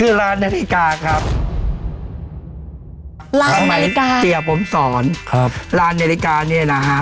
ร้านนาฬิกาครับร้านอเมริกาเสียผมสอนครับร้านนาฬิกาเนี่ยนะฮะ